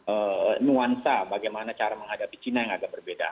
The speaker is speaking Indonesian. ada nuansa bagaimana cara menghadapi china yang agak berbeda